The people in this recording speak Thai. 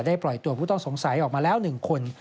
ปล่อยตัวผู้ต้องสงสัยออกมาแล้ว๑คน